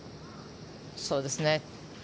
そうですね。